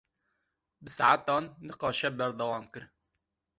Bi saetan nîqaşê berdewam kir.